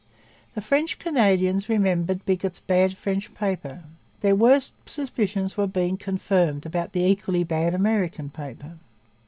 The French Canadians remembered Bigot's bad French paper. Their worst suspicions were being confirmed about the equally bad American paper.